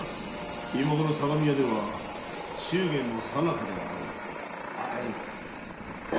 今ごろ相模屋では祝言の最中であろう。